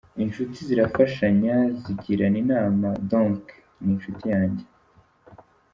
Inshuti zirafashanya, zigirana inama, donc ni inshuti yanjye.